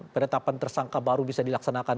penetapan tersangka baru bisa dilaksanakan